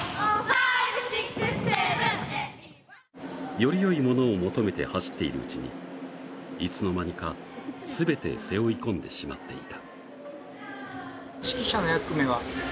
より良いものを求めて走っているうちにいつの間にか全て背負い込んでしまっていた。